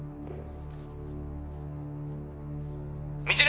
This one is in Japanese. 未知留！